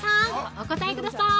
お答えください。